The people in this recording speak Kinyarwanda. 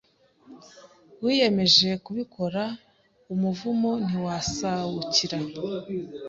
Wiyemeje kubikora umuvumo ntiwazawukira